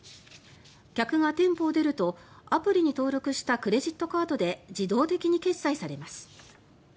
客が店舗を出るとアプリに登録したクレジットカードで自動的に決済されます。